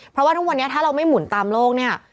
เพราะว่าทุกวันนี้ถ้าเราไม่หมุนตามโลกเนี่ย